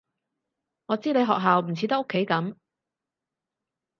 我知你學校唔似得屋企噉